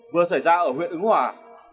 vừa xảy ra ở huyện ứng hòa